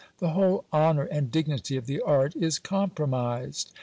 The whole honour and dignity of the art is compromised.